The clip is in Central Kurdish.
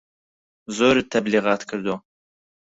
زۆرت تەبلیغات کردوە